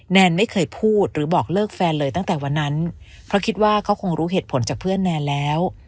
แนนไม่เคยพูดหรือบอกเลิกแฟนเลยตั้งแต่วันนั้นเพราะคิดว่าเขาคงรู้เหตุผลจากเพื่อนแนนแล้ว